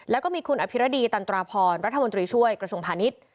แล้วก็มีคุณอภิรดีตันตราพรรัฐมนตรีช่วยกระทรวงพาณิชย์